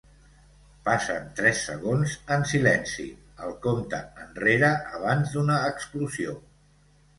Passen tres segons en silenci, el compte enrere abans d'una explosió.